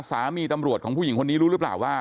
สามีตำรวจของผู้หญิงคนนี้รู้หรือเปล่าว่า